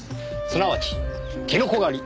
すなわちキノコ狩り。